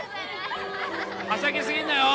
はしゃぎすぎんなよ